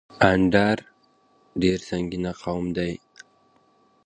اندړ ډير سنګين قوم دی